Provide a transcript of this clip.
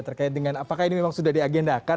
terkait dengan apakah ini memang sudah diagendakan